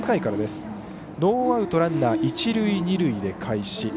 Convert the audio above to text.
ノーアウトランナー、一塁二塁で開始。